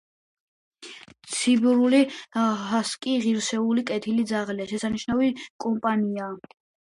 ციმბირული ჰასკი ღირსეული, კეთილი ძაღლია, შესანიშნავი კომპანიონია.